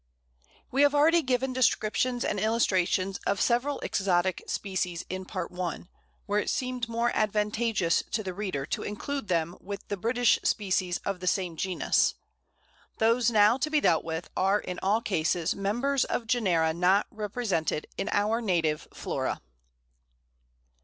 We have already given descriptions and illustrations of several exotic species in Part I., where it seemed more advantageous to the reader to include them with British species of the same genus; those now to be dealt with are in all cases members of genera not represented in our native Flora.